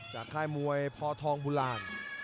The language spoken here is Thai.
จากค่ายมวยพอทองบุราณ